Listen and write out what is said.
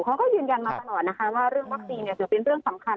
เขาก็ยืนยันมาตลอดนะคะว่าเรื่องวัคซีนถือเป็นเรื่องสำคัญ